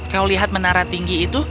kau lihat menara tinggi itu